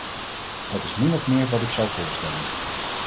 Dat is min of meer wat ik zou voorstellen.